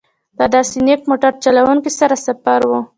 له داسې نېک موټر چلوونکي سره سفر و.